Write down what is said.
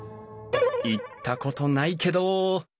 行ったことないけど。